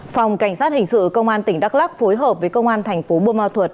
phòng cảnh sát hình sự công an tỉnh đắk lắc phối hợp với công an thành phố bôn ma thuật